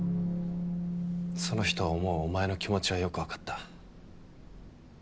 その人を想うおまえの気持ちはよくわかった。